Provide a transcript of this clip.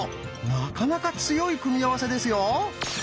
なかなか強い組み合わせですよ。